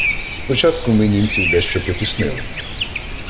Спочатку ми німців дещо потіснили.